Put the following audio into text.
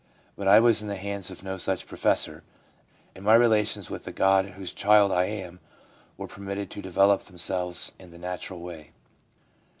But I was in the hands of no such professor, and my relations with the God whose child I am were permitted to develop themselves in the natural way.